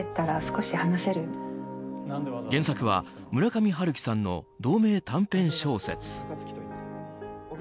原作は村上春樹さんの同名短編小説。